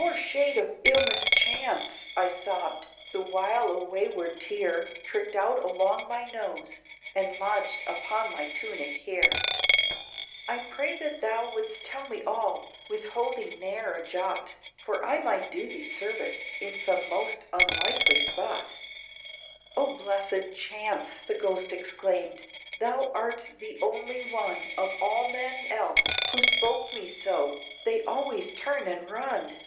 "Poor shade of ill mischance!" I sobbed, the while a wayward tear, Tricked out along my nose, and lodged upon my tunic here, "I pray that thou would'st tell me all, withholding ne'er a jot, For I might do thee service, in some most unlikely spot," "O blessed chance!" the Ghost exclaimed, "Thou art the only one Of all men else, who spoke me so, they always turn and run!